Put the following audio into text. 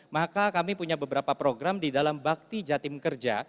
maka kami punya beberapa program di dalam bakti jatim kerja